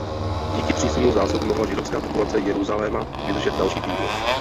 Díky přísunu zásob mohla židovská populace Jeruzaléma vydržet další týdny.